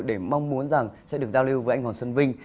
không muốn rằng sẽ được giao lưu với anh hoàng xuân vinh